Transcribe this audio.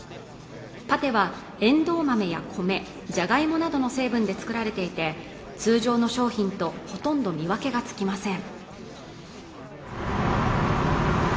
パテはエンドウ豆や米、ジャガイモなどの成分で作られていて通常の商品とほとんど見分けがつきません